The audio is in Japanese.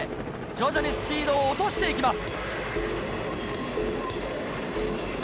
徐々にスピードを落としていきます。